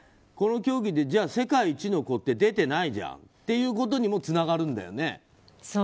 この競技で世界一の子が出てないじゃんってことにもつながるんだよね。